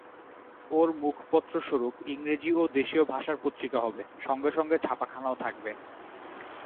ওর মুখপত্রস্বরূপ ইংরেজী ও দেশীয় ভাষায় পত্রিকা হবে, সঙ্গে সঙ্গে ছাপাখানাও থাকবে।